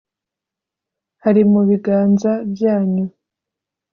hari mu biganza byanyu